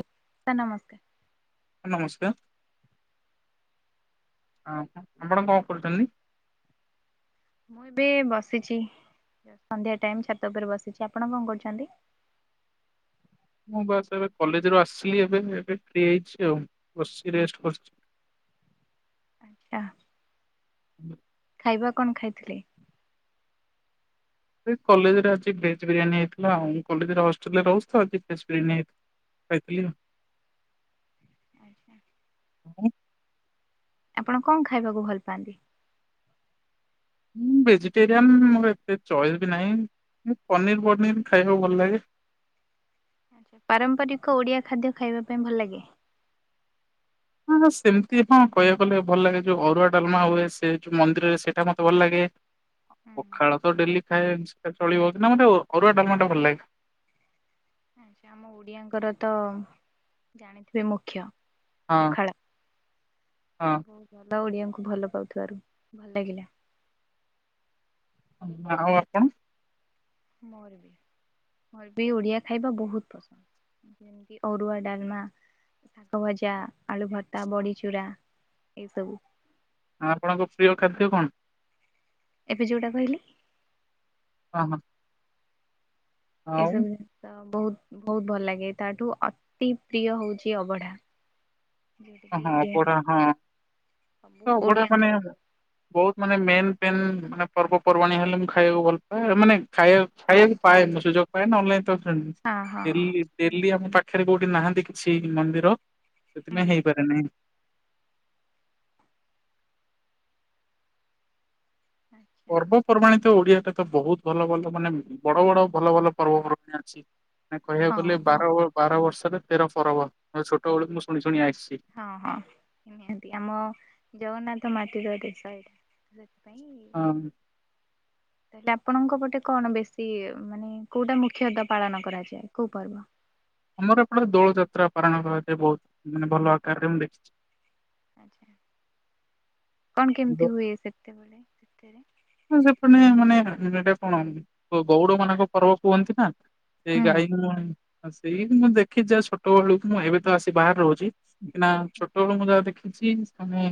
Sir ନମସ୍କାର। ନମସ୍କାର। ହଁ ଆପଣ କଣ କରୁଛନ୍ତି? ମୁଁ ଏବେ ବସିଛି ସନ୍ଧ୍ୟା ଟାଇମ୍ ଛାତ ଉପରେ ବସିଛି ଆପଣ କଣ କରୁଛନ୍ତି? ମୁଁ ବାସ୍ ଏବେ କଲେଜରୁୁ ଆସିଲି ଏବେ ଏବେ ଫ୍ରି ହେଇଛି ଆଉ ବସି ରେଷ୍ଟ କରିଛି। ଆଚ୍ଛା ଖାଇବା କଣଖାଇଥିଲେ? ସେ କଲେଜରେ ଅ ଭେଜ ବିରିୟାନୀ ହେଇଥିଲା ଆଉ କଲେଜରେ ହଷ୍ଟେଲ ରେ ରହୁଛି ତ ଭେଜ୍ ବିରିୟାନୀ ହେଇଥିଲା। ଖାଇଥିଲି। ଆଚ୍ଛା ହଁ ଆପଣ କଣ ଖାଇବାକୁ ଭଲ ପାଆନ୍ତି? ଁ ଭେଜିଟେରିଆନ୍ ମୋର ଏତେ ଚଏସ୍ ବି ନାହିଁ ପନିର ପନିର ଖାଇବାକୁ ଭଲ ଲାଗେ। ପାରମ୍ପରିକ ଓଡିଆ ଖାଦ୍ୟ ଖାଇବା ପାଇଁ ଭଲ ଲାଗେ। ହଁ ସେମିତି ହଁ କହିବାକୁ ଗଲେ ଭଲ ଲାଗେ ଯେଉଁ ଅରୁଆ ଡଲମା ହୁଏ ସେ ଯେଉଁ ମନ୍ଦିର ହୁଏ ସେଇଟା ମୋତେ ଭଲ ଲାଗେ। ପଖାଳ ତ ଡେଲି ଖାଏିା ଚଳିବ କି ନା ମୋ ଅରୁଆଡାଲମାଟା ଭଲ ଲାଗେ। ଆ ସେ ଆମ ଓଡିଆଙ୍କର ତ ଜାଣିଥିବେ ମୁଖ୍ୟ। ହଁ ପଖାଳ ହଁ ବହୁତ ଭଲ ଓଡ଼ିଆଙ୍କୁ ଭଲ ପାଉଥିବାରୁ ଭଲ ଲାଗିଲା। ହଁଁ ଆଉ ଆାପଣ? ମୋରବି ମୋରବି ଓଡ଼ିଆ ଖାଇବା ବହୁତ ପସନ୍ଦ। ଯେମିତି ଅରୁଆ ଡାଲମା ଶାଗ ଭଜା ଆଳୁ ଭତ୍ତା ବଡ଼ିଚୂୁରା ଏସବୁ। ଆ ଆପଣଙ୍କ ପ୍ରିୟ ଖାଦ୍ୟ କଣ? ଏବେ ଯେଉଁଟା କହିଲି। ହଁ ହଁ। ଆଉ ଏସବୁ ଜିନିଷ ତ ବହୁତ ବହୁତ ଭଲ ଲାଗେ ତାଠୁ ଅତି ପ୍ରିୟ ହଉଛି ଅବଢା। ଯୋଉଟା ହ କି ହଁ ଅ ବଢା ହଁ ତ ସବୁ ଅ ବଢା ମାନେ। ଓଡିଆଙ୍କର ପ୍ରିୟ। ବହୁତ ମାନେ ମେନ୍ ମେନ୍ ମାନେ ପର୍ବପର୍ବାଣୀ ହେଲେ ମୁଁ ଖାଇବାକୁ ଭଲ ପାଏ ମାନେ ଖାଇବା ଖାଇବାକୁ ପାଏ ମୁଁ ସୁଯୋଗ। ଅନଲାଇୀଲୀ ହଁ ହଁ ଆମ ପା ଡେଲି। ପାଖରେ କୋଉଠି ନାହାନ୍ତି କିଛି ମନ୍ଦିର ସେଥିପାଇଁ ହେଇ ନିହାତି ଆଚ୍ଛା ପର୍ବପର୍ବାଣୀ ତ ଓଡିଆରେ ତ ବହୁତ ଭଲ ଭଲ ମାନେ ବଡ ବଡ ଭଲ ଭଲ ପର୍ବପର୍ବାଣିୀ ଅଛି। କହିବାକୁ ଗଲେ ହଁ ବାର ବାର ବର୍ଷରେ ତେର ପରରବ ଛୋଟ ବେଳକୁ ମୁଁ ଶୁଣି ଶୁଣି ଆସିଛି। ହଁ ହଁ ନି ନିହାତି ଆମ ଜଗନ୍ନାଥ ମାଟିର ଦେଶ ଏଇଟା ସେଥିପାଇଁ ହଁ। ତାଲେ ଆପଣଙ୍କ ପଟେ କଣ ବେଶୀ ମାନେ କୋଉଟା ମୁଖ୍ୟତଃ ପାଳନ କରାଯାଏ କୋଉ ପର୍ବ? ଆମର ଏପଟେ ଦୋଳ ଯାତ୍ରା ପାାରଣ କରାଯଏ ବହୁତ ମାନେ ଭଲ ଆକାରରେ ମୁଁ ଦେଖିଛି। ଆ୍ଛା କଣ କେମିତି ହୁଏ ସେତେବେଳେ ସେତରେ ହଁ ସେପଟେ ମାନେ ଏଟା କଣ ଗଉଡ ମାନଙ୍କ ପର୍ବ କୁହନ୍ତି ନା। ସେଇ ହୁଁ ଗାଈ ମୁ ସେଇ ମୁଁ ଦେଖି ଯ ଛୋଟ ବେଳୁକୁ ମୁଁ ଏବେ ତ ଆସି ବାହାରେ ରହୁଛି। ନା ଛୋଟବେଳୁ ମୁଁ ଯାହା ଦେଖିଛି ପୁ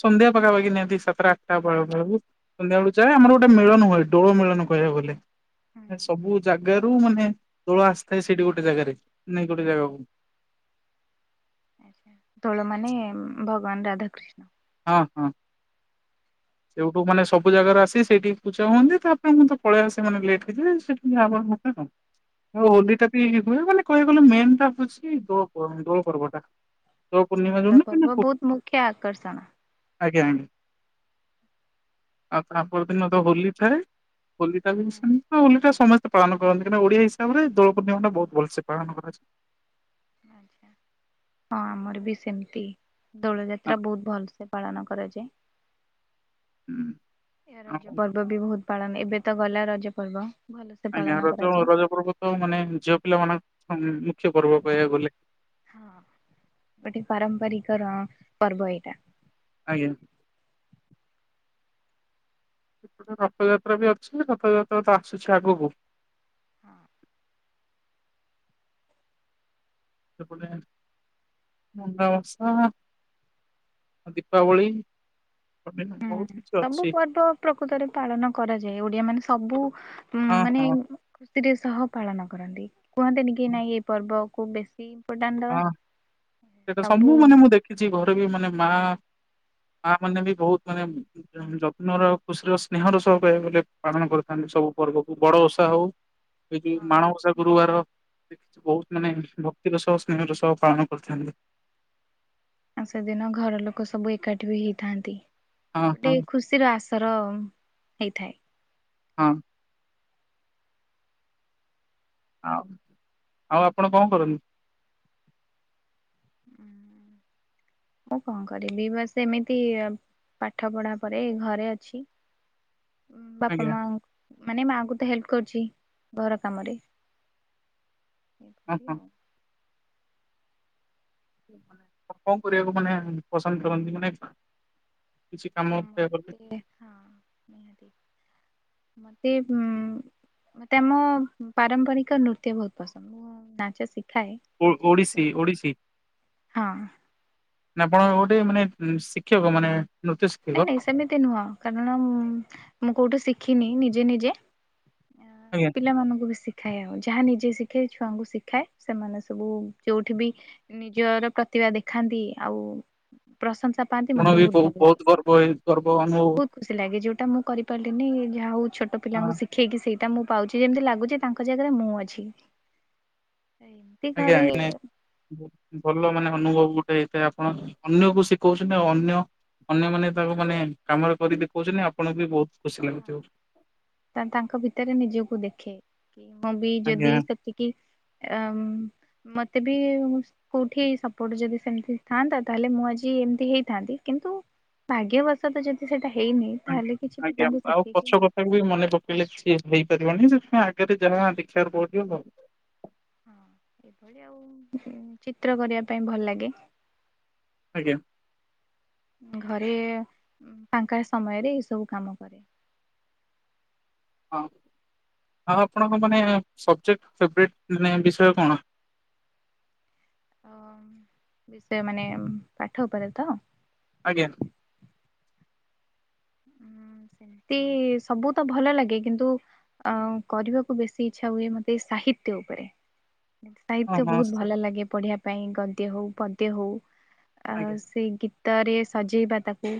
ସନ୍ଧ୍ୟା ପାଖାପାଖି ନିହାତି ସାତେଟା ଆଠେଟା ବେଳ ବେଳକୁ। ସନ୍ଧ୍ୟାବେଳୁ ଯାଏ ଆମର ଗୋଟେ ମିଳନୁଏ ଡୋ ମିଳନ କହିବା ଗଲେ। ହୁଁ ସବୁ ଜାଗାରୁ ମାନେ ଦୋଳ ଆସିଥାଏ ସେଇଠି ଗୋଟେ ଜାଗାରେ ନାଇ ଗୋଟେ ଜାଗାକୁ। ଆଚ୍ଛା। ତଳ ମାନେ ଭଗବାନ ରାଧାକୃଷ୍ଣ ହଁ ହଁ। ସେଇଠୁ ମାନେ ସବୁ ଜାଗାରୁ ଆସି ସେଇଠିକି ପୂା ହଅନ୍ତି ତାପରେ ମୁଁ ତେ ପଳେଇ ଆସ ମେ ଲେଟ୍ଇଯ ସେଠ ଯ [unintelligible] ଆ ହୋଲି ଟା ବି ହୁଏ ମାନେ କ ଗଲେ ମେନ୍ ଟା ହଉଛି ଦୋର୍ ଦୋଳ ପର୍ବଟା। ତ ପୂର୍ଣିମା ଜୁ କି କ୍ୟା ଅକ୍ରସଣ। ଆଜ୍ଞା ଆଜ୍ଞା ଆଉ ତାପ ଦିନ ତ ହୋଲି ଥାଏ। ହୋଲି ବି ହୋଲିଟା ସମସ୍ତ ସେ ପାଳନ କରନ୍ତିାହିକ ଓଆ ହିସାବରେ ଦୋଳ ପୂର୍ଣ୍ଣିମା ଟା ବହୁତ ଭଲସେ ପାଳନ କରାଯାଏ। ହଁ ଆମର ବି ସେମିତି। ହଁ ଦୋଳଯାତ୍ରା ବହୁତ ଭଲସେ ପାଳନ କରାଯାଏ। ହୁଁ। ଏ ରଜ ଆଉ ପର୍ବ ବି ବହୁତ ପାଳନ ଏବେ ତ ଗଲା ରଜ ପର୍ବ। ଭଲସେ ଆଜ୍ଞା ପାଳନ ରଜ କରାଯାଏ। ରଜ ପର୍ବ ତ ମାନେ ଝିଅ ପିଲା ମାନଙ୍କ ମୁଖ୍ୟ ପର୍ବ କହିବାକୁ ଗଲେ। ହଁ ଗୋଟେ ପାରମ୍ପରିକ ପର୍ବ ଏଇଟା। ଆଜ୍ଞା। ରଥଯାତ୍ରା ବି ଅଛି ରଥଯାତ୍ରା ତ ଆସୁଛି ଆଗକୁ। ହଁ। ସେପଟ ମୁଣ୍ଡ ମାସା ଦୀପାବଳି। ମାନେ ବହୁତ ହୁଁ କିଛି ସବୁ ଅଛି ପର୍ବ ପ୍ରକୃତରେ ପାଳନ କରାଯାଏ ଓଡିଆ ମାନେ ସବୁ ଉ ହଁ ମାନେ ହଁ କୃସିରେ ସହ ପାଳନ କରନ୍ତି। କୁହନ୍ତିନି କି ହଁ ନାହିଁ ଏହି ପର୍ବକୁ ବେଶୀ ଇମ୍ପୋର୍ଟାଣ୍ଟ ଦବା ହଁ ସେଟା ସବୁ ମାନେ ମୁଁ ଦେଖିଛି ଘରେ ବି ମାନେ ମା। ମାଁ ମାନେ ବି ବହୁତ ମାନେ ଯତ୍ନ ର ଖୁସିର ସ୍ନେହର ସହ ବ ପାଳନ କରିଥାନ୍ତି ସବୁ ପର୍ବକୁ ବଡ ଓଷା ହଉ। ଏଇ ଯୋଉ ମାଣବସା ଗୁରୁବାର ବହୁତ ମାନେ ଭକ୍ତିର ସହ ଦିନରୁ ସବ ପାଳନ କରିଥାନ୍ତି। ସେଦିନ ଘର ଲୋକ ସବୁ ଏକାଠି ବି ହେଇଥାନ୍ତି ହଁ ଗୋଟେ ହଁ ଖୁସି ସିର ଆସର ହେଇଥାଏ। ହଁ ଆଉ ଆଉ ଆପଣ କଣ କରନ୍ତି? [inaudible] ମୁଁ କଣ କରିବି ବାସ୍ ଏମିତି ପାଠ ପଢ଼ା ପଢି ଘରେ ଅଛି। ବାପା ଆଜ୍ଞା ମା ମାନେ ମାଆଙ୍କୁ ତ ହେଲ୍ପ କରୁଛି ଘର କାମରେ। ହ ଏଭଳି ହଁ ଆଉ। ମାନେ କଣ କରିବାକୁ ମାନେ ପସନ୍ଦ କରନ୍ତି ମାନେ କିଛି କାମ ମତେ ହଁ ନିହାତି ମତେ ଉଁ ମତେ ଆମ ପାରମ୍ପରିକ ନୃତ୍ୟ ବହୁତ ପସନ୍ଦ। ନାଚ ଶିଖାଏ। ଓ ଓଡ଼ିଶୀ ଓଡ଼ିଶୀ। ହଁ ନା ଆପଣ ଗୋଟେ ମାନେ ଶିକ୍ଷକ ମାନେ? ନୃତ୍ୟ ନାଇଁ ଶିକ୍ଷକ ନାଇଁ ସେମିତି ନୁହଁ କାରଣ ମୁଁ କୋଉଠୁ ଶିଖିନି ନିଜେ ନିଜେ। ଆଜ୍ଞା ପିଲାମାନଙ୍କୁ ବେଶୀ ଶିଖାଏ ଆଉ ଯାହା ନିଜେ ଶିଖେ ଛୁଆଙ୍କୁ ଶିଖାଏ ସେମାନେ ସବୁ ଯେଉଠି ବି ନିଜର ପ୍ରତିଭା ଦେଖାନ୍ତି ଆଉ ପ୍ରଶଂସା ପାଆନ୍ତି ଆପଣ ମତେ ବି ବହୁ ଭଲ ଲାଗେ। ବହୁତ ଗର୍ବ ଏଇ ଗର୍ବ ଅନୁଭବ ବହୁତ ଖୁସି ଲାଗେ ଯୋଉଟା ମୁଁ କରିପାରିଲିନି ଯାହା ହଉ ଛୋଟ ପିଲାଙ୍କୁ ହଁ। ଶିଖେଇକି ସେଇଟା ମୁଁ ପାଉଛି ଯେମତି ଲାଗୁଛି ତାଙ୍କ ଜାଗାରେ ମୁଁ ଅଛି। ଆଜ୍ଞା ଘରେ ନେ ହଁ ଭଲ ମାନେ ଅନୁଭବ ଗୋଟେ ହେଇଥାଏ ଆପଣ ଅନ୍ୟକୁ ଶିଖଉଛନ୍ତି ଆଉ ଅନ୍ୟ ଅନ୍ୟମାନେ ତାକୁ ମାନେ କାମରେ କରି ଦେଖଉଛନ୍ତି ଆପଣଙ୍କୁ ବି ବହୁତ ଖୁସି ଲାଗୁଥିବ। ତା ତାଙ୍କ ଭିତରେ ନିଜକୁ ଦେଖେ କି ମୁଁ ବି ଆଜ୍ଞା ଯଦି ସେତିକି ଆମ୍ ମତେ ବି କୋଉଠି ସପୋର୍ଟ ଯଦି ସେମିତି ଥାନ୍ତା ତାହେଲେ ମୁଁ ଆଜି ଏମିତି ହେଇଥାନ୍ତି କିନ୍ତୁ ଭାଗ୍ୟବଶ ତ ଯଦି ସେଇଟା ହେଇନି ଆଜ୍ଞା। ତାହେଲେ କିଛି ଆଜ୍ଞା ପିଲାଙ୍କୁ ଆଉ ଶିଖେଇକି ପଛ ମୁଁ କଥାକୁ ବି ମନେ ପକେଇଲେ କିଛି ହେଇପାରିବନି ସେଥିପାଇଁ ଆଗରେ ଯାହା ଦେଖିବାକୁ ପଡିବ। ହଁ ଚିତ୍ର କରିବା ପାଇଁ ଭଲ ଲାଗେ। ଆଜ୍ଞା। ଘରେ-ଏ-ଏ ଫାଙ୍କା ସମୟରେ ଏଇ ସବୁ କାମ କରେ। ହଁ ହଁ ଆପଣଙ୍କ ମାନେ ସବଜେକ୍ଟ ଫେବରେଟ୍ ମାନେ ବିଷୟ କଣ? ହଁ ସେ ମାନେ ପାଠ ଉପରେ ତ? ଆଜ୍ଞା। [inaudible] ତି-ଇ-ଇ-ଇ ସବୁ ତ ଭଲ ଲାଗେ କିନ୍ତୁ ଆ କରିବାକୁ ବେଶୀ ଇଚ୍ଛା ହୁଏ ମୋତେ ସାହିତ୍ୟ ଉପରେ। ହଁ ସାହିତ୍ୟ ହଁ ବହୁତ ଭଲ ଲାଗେ ପଢିବା ପାଇଁ ଗଦ୍ୟ ହଉ ପଦ୍ୟ ହଉ। ଆଉ ଆଜ୍ଞା ସେ ଗୀତରେ ସଜେଇବା ତାକୁ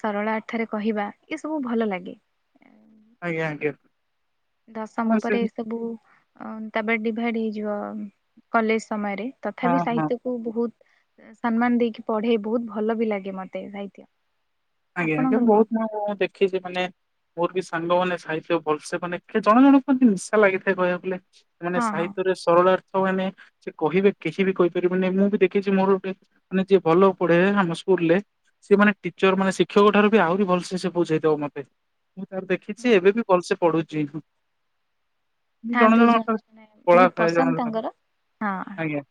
ସରଳା ଥରେ କହିବା ଏ ସବୁ ଭଲ ଲାଗେ। ଆଜ୍ଞା ଆଜ୍ଞା। ଦଶମ ହଁ ସେ ପରେ ଏସବୁ ଅ ତାପରେ ଡିଭାଇଡ଼୍ ହେଇଯିବ କଲେଜ ସମୟରେ। ହଁ ତଥାପି ହଁ ସାହିତ୍ୟକୁ ବହୁତ ସମ୍ମାନ ଦେଇକି ପଢେ ବହୁତ ଭଲ ବି ଲାଗେ ମତେ ସାହିତ୍ୟ। ଆଜ୍ଞା ଆଜ୍ଞା ଆପଣଙ୍କର କଣ ବହୁତ ମୁଁଁ ଦେଖିଛି ମାନେ ମୋର ବି ସାଙ୍ଗମାନେ ସାହିତ୍ୟ ଭଲସେ ମାନେ ଜଣ ଜଣ କୁହନ୍ତି ନିଶା ଲାଗିଥାଏ କହିବାକୁ ଗଲେ। ମାନେ ହଁ ହଁ ସାହିତ୍ୟରେ ସରଳାର୍ଥ ମାନେ ସେ କହିବେ କେହି ବି କହିପାରିବେନି ମୁଁ ବି ଦେଖିଛି ମୋର ଗୋଟେ ମାନେ ଯିଏ ଭଲ ପଢେ ଆମ ସ୍କୁଲ ରେ ସେ ମାନେ ଟିଚର ମାନେ ସି କ୍ଷକ ଠାରୁ ବି ଆହୁରି ଭଲସେ ସେ ବୁଝେଇଦବ ମତେ ମୁଁ ତାର ଦେଖିଛି ହଁ। ଏବେ ବି ଭଲସେ ପଢୁଛି। ଥାଆନ୍ତି ଜଣେ ଜଣେ କଳା ବହୁତ ଥାଏ ଜଣେ ପସନ୍ଦ ଜଣ ତାଙ୍କର ହଁ। ଆଜ୍ଞା।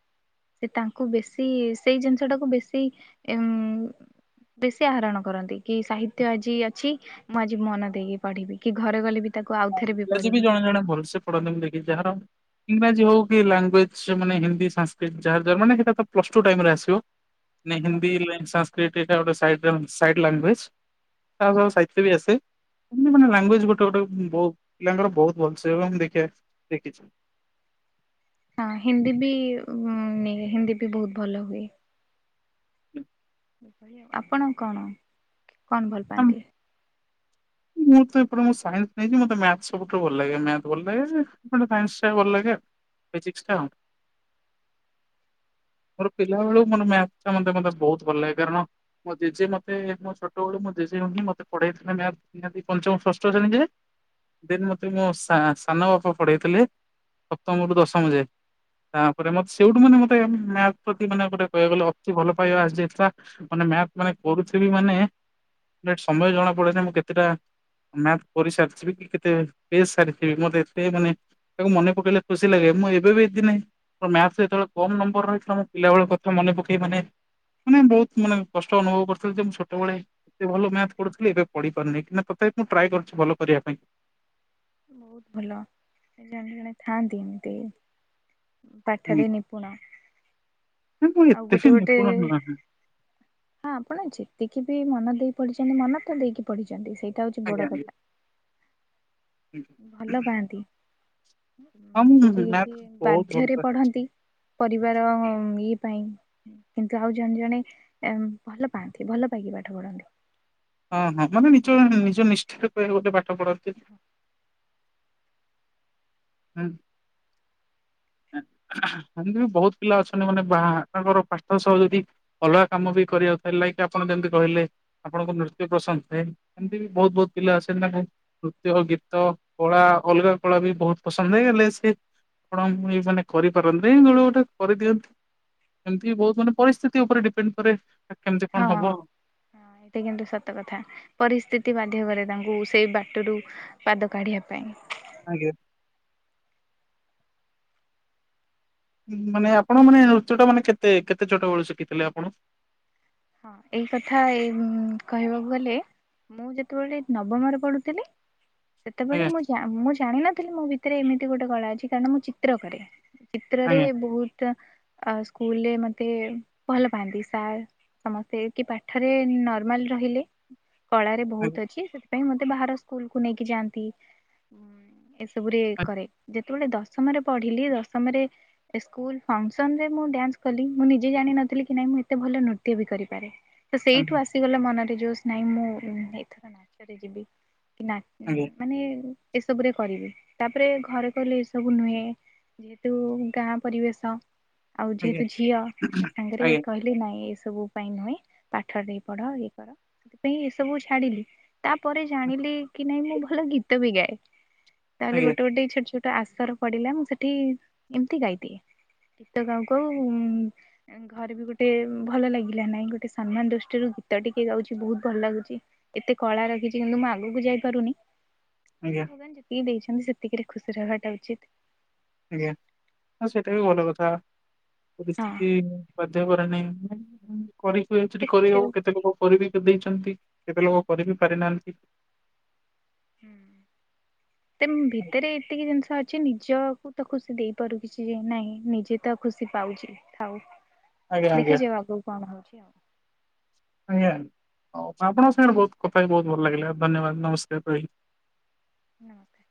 ସେ ତାଙ୍କୁ ବେଶୀ ସେଇ ଜିନିଷ ଟାକୁ ବେଶୀ ଇମ୍-ମ୍-ମ୍ ବେଶୀ ଆହରଣ କରନ୍ତି କି ସାହିତ୍ୟ ଆଜି ଅଛି ମୁଁ ଆଜି ମନ ଦେଇକି ପଢିବି କି ଘରେ ଗଲେ ବି ତାକୁ ଆଉଥରେ ଇଂରାଜୀ ବି ପଢିବି। ଜଣେ ଜଣେ ଭଲସେ ପଢନ୍ତି ଦେଖିଛି ଯାହାର ଇଂରାଜୀ ହଉ କି ଲାଙ୍ଗୁଏଜ ମାନେ ହିନ୍ଦୀ, ସାଂସ୍କରିଟ ଯାହାର ଯାହା ମାନେ ସେଇଟା ତ ପ୍ଲସ୍ ଟୁ ଟାଇମ ରେ ଆସିବ। ନାଇ ହିନ୍ଦୀ ନାଇ ସାଂସ୍କରିଟ୍ ଏଇଟା ଗୋଟେ ସାଇଟ ସାଇଡ୍ ଲାଙ୍ଗୁଏଜ। ତା ସହ ସାହିତ୍ୟ ବି ଆସେ ଏମିତି ମାନେ ଲାଙ୍ଗୁଏଜ ଗୋଟେ ଗୋଟେ ବହୁତ ପିଲାଙ୍କର ବହୁତ ଭଲ ସେ ହୁଏ ଦେଖିବା ଦେଖିଚି। ହଁ ହିନ୍ଦୀ ବି ହୁମ୍ ହିନ୍ଦୀ ବି ବହୁତ ଭଲ ହୁଏ। ଆପଣ କଣ କଣ ଭଲ ପାଆନ୍ତି? ମୁଁ ତ ଏପଟେ ମୁଁ ସାଇନ୍ସ ନେଇଛି ମୋତେ ମ୍ୟାଥ୍ ସବୁଠୁ ଭଲ ଲାଗେ ମ୍ୟାଥ୍ ଭଲ ଲାଗେ। ମତେ ସାଇନ୍ସ ଟା ଭଲ ଲାଗେ ଆଉ ଫିଜିକ୍ସ ଟା ଆଉ। ମୋର ପିଲାେବେଳୁ ମୋର ମ୍ୟାଥ୍ ଟା ମତେ ମତେ ବହୁତ ଭଲ ଲାଗେ କାରଣ ମୋ ଜେଜେ ମତେ ମୋ ଛୋଟବେଳୁ ମୋ ଜେଜେ ହିଁ ମତେ ପଢେଇଥିଲେ ମ୍ୟାଥ୍। ନିହାତି ପଞ୍ଚମ ଷଷ୍ଠ ଶ୍ରେଣୀ ଯାଏ। ଦେନ୍ ମୋତେ ମୋ ସାନ ବାପା ପଢ଼େଇଥିଲେ ସପ୍ତମରୁ ଦଶମ ଯାଏ। ତାପରେ ମତେ ସେଇଟୁ ମାନେ ମତେ ମ୍ୟାଥ ପ୍ରତି ଗୋଟେ ଅତି ଭଲପାଇବା ଆସିଯାଇଥିଲା। ମାନେ ମ୍ୟାଥ ମାନେ କରୁଥିବି ମାନେ ସମୟ ଜଣା ପଡେନି ମୁଁ କେ କେତେଟା ମ୍ୟାଥ କରି ସାରିଥିବି କି କେତେ ପେଜ ସାରିଥିବି ମତେ ଏତେ ମାନେ ତାକୁ ମନେ ପକେଇଲେ ଖୁସି ଲାଗେ ମୁଁ ଏବେ ବି ଏତଦିନେ ମୋର ମ୍ୟାଥ ରେ ଯେତେବେଳ କମ୍ ନମ୍ବର ରହିଥିଲା ମୁଁ ପିଲାବେଳ କଥା ମନେ ପକେଇ ମାନେ ମାନେ ବହୁତ ମାନେ କଷ୍ଟ ଅନୁଭବ କରୁଥିଲ ଯେ ମୁଁ ଛୋଟବେଳେ ଏତେ ଭଲ ମ୍ୟାଥ ପଢୁଥିଲି ଏବେ ପଢି କରିନେଇ ନା ତଥାପି ମୁଁ ଟ୍ରାଏ କରୁଚି ଭଲ କରିବା ପାଇଁ। ବୋହୁତ ଭଲ ଜଣେ ଜଣେ ଥାଆନ୍ତି ଏମିତି ଆଜ୍ଞା ପାଠରେ ନି ପୁଣ ନା, ମୁଁ ଆଉ ଏତେ ବି ଗୋଟେ ଗୋଟେ ନିପୁଣ ନୁହେଁ ଆଜ୍ଞା ହଁ ଆପଣ ଯେତିକି ବି ମନ ଦେଇ ପଢିଚନ୍ତି ମନ ତ ଦେଇକି ପଢିଚନ୍ତି ସେଇଟା ହଉଚି ବଡ ଆଜ୍ଞା। କଥା। ଆଜ୍ଞା। ଭଲ ପାଆନ୍ତି ହଁ ମୁଁ କିଛି ମ୍ୟାଥ କିଛି ବହୁତ ଭଲ ବାଧ୍ୟରେ ପାଏ। ପଢ଼ନ୍ତି। ପରିବାର ଇଏ ପାଇଁ କିନ୍ତୁ ଆଉ ଜଣେ ଜଣେ ଭଲ ପାଆନ୍ତି ଭଲ ପାଇକି ପାଠ ପଢନ୍ତି। ହଁ ହଁ ମାନେ ନିଜ ନିଜ ନିଷ୍ଠାରେ କହିବାକୁ ଗଲେ ପାଠ ପଢ଼ନ୍ତି। ହୁଁ। ଏମିତି ବି ବୋହୁତ ପିଲା ଅଛନ୍ତି ମାନେ ବାହାଙ୍କର ପାଠ ସହ ଯଦି ଅଲଗା କାମ ବି କରିବାକୁ ହେଲାକି ଆପଣ ଯେମତି କହିଲେ। ଆପଣଙ୍କ ନୃତ୍ୟ ପ୍ରସନ୍ଦ [unintelligible] ଏମିତି ବି ବହୁତ ବହୁତ ପିଲା ଆସେନି ତାଙ୍କୁ ନୃତ୍ୟ ଗୀତ କଳା ଅଲଗା କଳା ବି ବହୁତ ପସନ୍ଦ ହେଇଗଲେ ସେ ଆପଣ ମୁଁ ଏ ମାନେ କରିପାରନ୍ତି ଦେଳୁ ଗୋଟେ କରିଦିଅନ୍ତି। ଏମିତି ବୋହୁତ ମାନେ ପରିସ୍ଥିତି ଉପରେ ଡିପେଣ୍ଡ କରେ। କେମିତି କଣ ହଁ। ହବ ସେ କିନ୍ତୁ ସତ କଥା ପରିସ୍ଥିତି ବାଧ୍ୟ କରେ ତାଙ୍କୁ ସେଇ ବାଟରୁ ପାଦ କାଢିବା ପାଇଁ। ଆଜ୍ଞା। ମାନେ ଆପଣ ମାନେ ନୃତ୍ୟ ଟା ମାନେ କେତେ କେତେ ଛୋଟବେଳୁ ଶିକିଥିଲେ ଆପଣ? ହଁ ଏଇ କଥା କହିବାକୁ ଗଲେ ମୁଁ ଯେତେବେଳେ ନବମରେ ପଢୁଥିଲି ସେତେବେଳେ ଆଜ୍ଞା ମୁଁ ମୁଁ ଜାଣିନଥିଲି ମୋ ଭିତରେ ଏମିତି ଗୋଟେ କଳା ଅଛି କାରଣ ମୁଁ ଚିତ୍ର କରେ। ଚିତ୍ରରେ ଆଜ୍ଞା ବୋହୁତ ଅ ସ୍କୁଲରେ ମତେ ଭଲ ପାଆନ୍ତି ସାର୍। ସମସ୍ତେ କି ପାଠରେ ନର୍ମାଲ ରହିଲେ କଳାରେ ଆଜ୍ଞା। ବୋହୁତ ଅଛି। ପାଇଁ ମତେ ବାହାର ସ୍କୁଲ କୁ ନେଇକି ଯାଆନ୍ତି ଏସବୁ ରେ ଆଜ୍ଞା କରେ ଜେତ ଯେତେବେଳେ ଦଶମରେ ପଢ଼ିଲି ଦଶମରେ ସ୍କୁଲ ଫଂକ୍ସନ ରେ ମୁଁ ଡ୍ୟାନ୍ସ କଲି ମୁଁ ନିଜେ ଜାଣିିନଥିଲି କି ନାଇଁ ମୁଁ ଏତେ ଭଲ ନୁର୍ ତ୍ୟ କରିପାରେ ତ ସେଇଠୁ ଆଜ୍ଞା ଆସି [unintelligible] ଗଲେ ମନରେ ଜୋସ୍ ନାହିଁ ମୁଁ ଏଥର ନାଚରେ ଯିବି କି ନା ଆଜ୍ଞା ମାନେ ଏସବୁ ରେ କରିବି ତାପରେ ଘରେ କହିଲେ ଏସବୁ ନୁହେଁ ଯେହେତୁ ଗାଁ ପରିବେଶ ଆଉ ଆଜ୍ଞା ଯେହେତୁ ଝିଅ ତା ସାଙ୍ଗରେ ଆଜ୍ଞା କହିଲେ ନାଇଁ ଏ ସବୁ ପାଇଁ ନୁହେଁ ପାଠ ଟିକେ ପଢ ଇଏ କର ସେଥିପାଇଁ ଏ ସବୁ ଛାଡିଲି। ତାପରେ ଜାଣିଲି କି ନାଇଁ ମୁଁ ଭଲ ଗୀତ ବି ଗାଏ ତାହେଲେ ଗୋଟେ ଗୋଟେ ଛୋଟ ଛୋଟ ତ ଆଶର ପଡିଲା ମୁଁ ସେଠି ଏମତି ଗାଇଦିଏ। ଗୀତ ଗାଉ ଗାଉ ଘରେ ବି ଗୋଟେ ଭଲ ଲାଗିଲା ନାଇଁ ଗୋଟେ ସମ୍ମାନ ଦୃଷ୍ଟିରୁ ଗୀତ ଟି କେ ଗାଉଚି ବୋହୁତ ଭଲ ଲାଗୁଚି। ଏତେ କଳା ରଖିଚି କିନ୍ତୁ ମୁଁ ଆଗକୁ ଯାଇପାରୁନି। ଆଜ୍ଞା ଭଗବାନ ଯେତିକି ଦେଇଚନ୍ତି ସେତିକିରେ ଖୁସି ରହିବାଟା ଉଚିତ୍। ଆଜ୍ଞା ସେଇଟା ବି ଭଲ କଥା ପରିସ୍ଥିତି ଧ୍ୟ କରେନି କରିହୁଏ ଚେଟି ଦେଖାଯାଉ କେତେ ଲୋକ କରିବି ଦେଇଚନ୍ତି କେତେ ଲୋକ କରିିବି ପାରିନାହାନ୍ତି। ତେମ୍ ଭିତରେ ଏତିକି ଜିନିଷ ଅଛ ସେ ନିଜକୁ ତ ଖୁସି ଦେଇପାରୁ କିଛି ଯେ ନାଇଁ ନିଜେ ତ ଖୁସି ପାଉଛି ଥାଉ। ଆଜ୍ଞା ଆଜ୍ଞା ଦେଖାଯିବ ଆଗକୁ କଣ ହଉଛି ଆଉ। ଆଜ୍ଞା ଆପଣଙ୍କ ସାଙ୍ଗରେ ବହୁତ କଥା ହେଇ ବହୁତ ଭଲ ଲାଗିଲା ଧନ୍ୟବାଦ ନମସ୍କାର ରହି। ନମସ୍କାର।